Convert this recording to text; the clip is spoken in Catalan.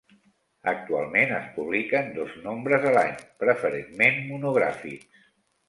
Actualment es publiquen dos nombres a l'any, preferentment monogràfics.